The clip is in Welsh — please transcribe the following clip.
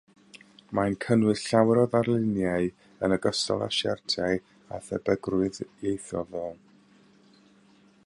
Mae'n cynnwys llawer o ddarluniau yn ogystal â siartiau â thebygrwydd ieithyddol.